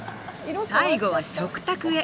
最後は食卓へ。